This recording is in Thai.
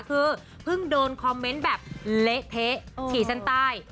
คือเพิ่งโดนคอมเมนต์แบบเละเทะขี่เส้นใต้